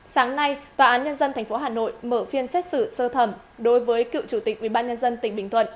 sáng nay tòa án nhân dân tp hà nội mở phiên xét xử sơ thẩm đối với cựu chủ tịch ubnd tỉnh bình thuận